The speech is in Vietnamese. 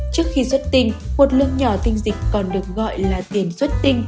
trước khi xuất tinh một lượng nhỏ tinh dịch còn được gọi là tiền xuất tinh